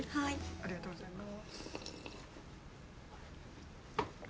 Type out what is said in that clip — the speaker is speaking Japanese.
ありがとうございます。